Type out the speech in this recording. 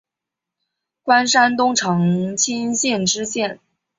官山东长清县知县。